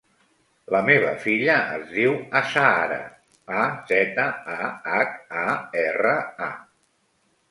La meva filla es diu Azahara: a, zeta, a, hac, a, erra, a.